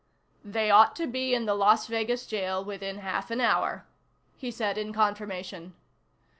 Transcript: "They ought to be in the Las Vegas jail within half an hour," he said in confirmation.